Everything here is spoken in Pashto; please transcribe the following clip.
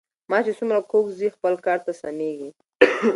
مار چی څومره کوږ ځي خپل کار ته سمیږي .